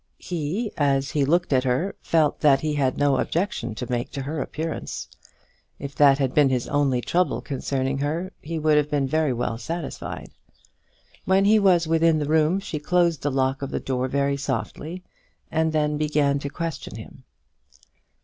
He, as he looked at her, felt that he had no objection to make to her appearance. If that had been his only trouble concerning her he would have been well satisfied. When he was within the room, she closed the lock of the door very softly, and then began to question him.